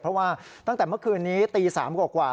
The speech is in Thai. เพราะว่าตั้งแต่เมื่อคืนนี้ตี๓กว่า